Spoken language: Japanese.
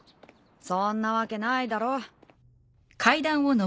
そんなわけないだろ。